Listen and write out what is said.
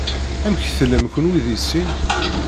Amek tellam kenwi deg sin?